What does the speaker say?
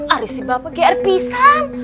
aduh si bapak grp san